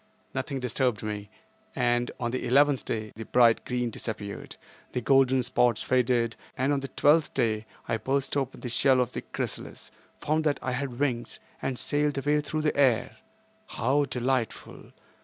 Nothing disturbed me, and on the eleventh day the bright green disappeared, the golden spots faded, and on the twelfth day I burst open the shell of the chrysalis, found that I had wings and sailed away through the air. How delightful!